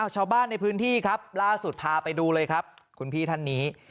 ชาวบ้านในพื้นที่ครับล่าสุดพาไปดูเลยครับคุณพี่ท่านนี้